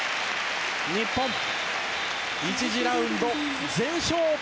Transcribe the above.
日本、１次ラウンド全勝！